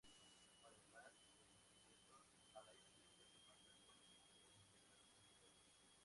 Además, los yacimientos al aire libre son más frecuentes que en períodos anteriores.